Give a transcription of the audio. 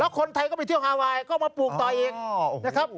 คนไทยก็ไปเที่ยวฮาไวน์ก็มาปลูกต่ออีกนะครับ